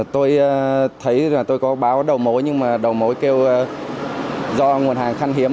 tôi thấy tôi có báo đầu mối nhưng mà đầu mối kêu do nguồn hàng khang hiếm